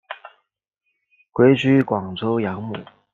归居广州养母。